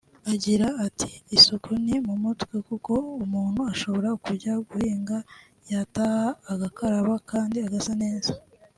Agira ati “Isuku ni mu mutwe kuko umuntu ashobora kujya guhinga yataha agakaraba kandi agasa neza